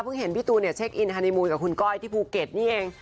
เห็นพี่ตูนเนี่ยเช็คอินฮานีมูลกับคุณก้อยที่ภูเก็ตนี่เอง